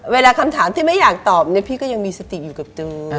เวลาคำถามที่ไม่อยากตอบเนี่ยพี่ก็ยังมีสติอยู่กับเธอ